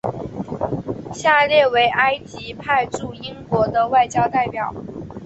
下列为埃及派驻英国的外交代表。